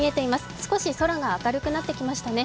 少し空が明るくなってきましたね。